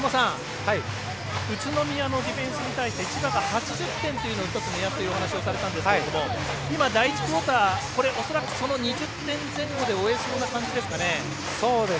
宇都宮のオフェンスに対して、千葉が８０点というのを１つ目安とお話されていましたがこの第１クオーター恐らくその２０点前後で終えそうな感じですかね。